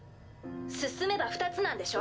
進めば２つなんでしょ？